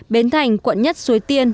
bến thành quận một xuế tiên